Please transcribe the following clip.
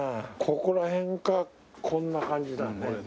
ここら辺かこんな感じだよね。